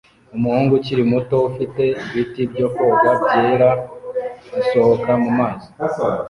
Umuhungu ukiri muto ufite ibiti byo koga byera asohoka mumazi